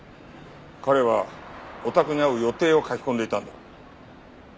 彼はおたくに会う予定を書き込んでいたんだ。